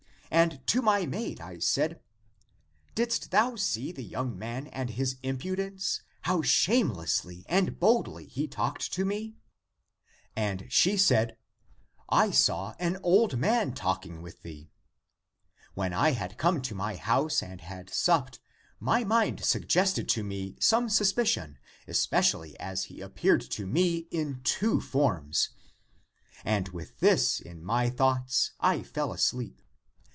And to my maid I said, ' Didst thou see the young man and his impudence, how shamelessly and boldly he talked to me ?' And she said, ' I saw an old man talking with thee.' When I had come to my liouse and had supped, my mind 264 THE APOCRYPHAL ACTS suggested to me some suspicion, especially as he ap peared to me in two forms. And with this in my thoughts, I fell asleep.